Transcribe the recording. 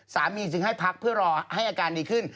จึงให้พักเพื่อรอให้อาการดีขึ้น